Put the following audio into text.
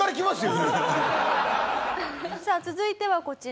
さあ続いてはこちら。